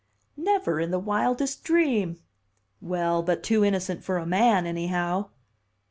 "Never in the wildest dream!" "Well, but too innocent for a man, anyhow."